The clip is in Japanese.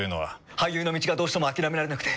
俳優の道がどうしても諦められなくて。